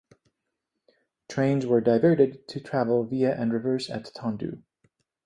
Trains were diverted to travel via and reverse at Tondu.